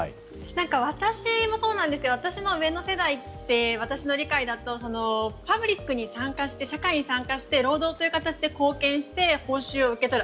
私もそうなんですけど私の上の世代って私の理解だとパブリックに参加して社会に参加して労働という形で貢献して報酬を受け取る。